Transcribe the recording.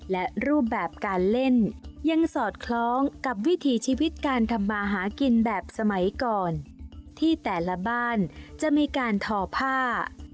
และรูปแบบการเล่นยังสอดคล้องกับวิถีชีวิตการทำมาหากินแบบสมัยก่อนที่แต่ละบ้านจะมีการทอผ้า